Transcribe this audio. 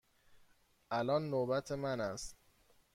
الان نوبت من است.